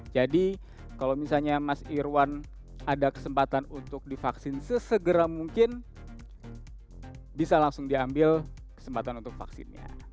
jadi kalau misalnya mas irwan ada kesempatan untuk divaksin sesegera mungkin bisa langsung diambil kesempatan untuk vaksinnya